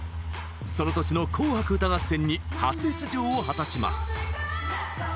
その年の「紅白歌合戦」に初出場を果たします。